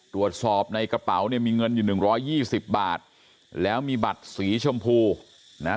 ตรวจสอบในกระเป๋าเนี่ยมีเงิน๑๒๐บาทแล้วมีบัตรสีชมพูนะฮะ